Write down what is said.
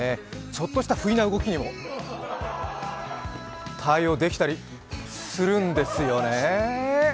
ちょっともした不意な動きにも対応できたりするんですよね。